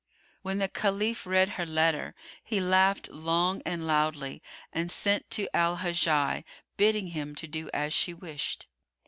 [FN#98] When the Caliph read her letter, he laughed long and loudly and sent to Al Hajjaj, bidding him to do as she wished.